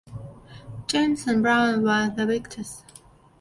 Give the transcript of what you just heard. James and Browne were the victors.